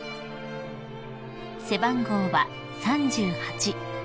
［背番号は３８］